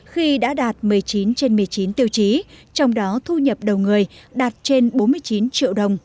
khi đã đạt một mươi chín trên một mươi chín tiêu chí trong đó thu nhập đầu người đạt trên bốn mươi chín triệu đồng